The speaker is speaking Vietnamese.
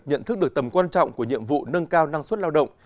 nhận thức được tầm quan trọng của nhiệm vụ nâng cao năng suất lao động